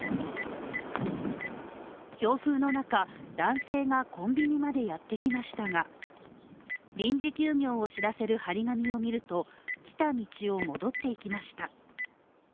強風の中、男性がコンビニまでやってきましたが、臨時休業を知らせる貼り紙を見ると、来た道を戻っていきました。